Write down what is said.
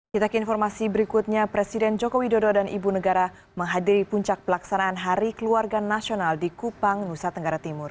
kita ke informasi berikutnya presiden joko widodo dan ibu negara menghadiri puncak pelaksanaan hari keluarga nasional di kupang nusa tenggara timur